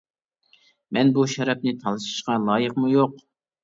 مەن بۇ شەرەپنى تالىشىشقا لايىقمۇ-يوق؟ !